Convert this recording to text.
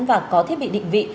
và có thiết bị định vị